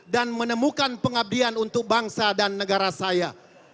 dan menemukan pengabdian untuk bangsa dan negara saya